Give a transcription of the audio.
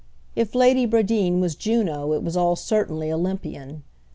If Lady Bradeen was Juno it was all certainly Olympian.